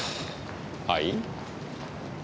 はい？